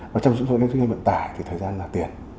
và trong dụng dụng các doanh nghiệp vận tải thì thời gian là tiền